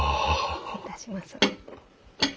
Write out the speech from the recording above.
失礼いたします。